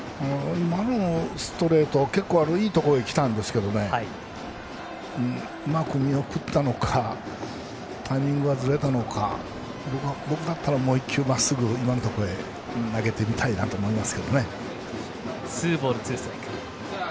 今のストレート結構いいところへきたんですけどうまく見送ったのかタイミングがずれたのか僕だったらもう一球まっすぐ今のところへ投げてみたいなと思います。